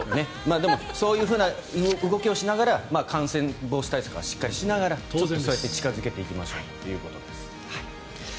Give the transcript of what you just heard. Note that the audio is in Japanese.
でもそういうふうな動きをしながら感染防止対策はしっかりしながら近付けていきましょうということです。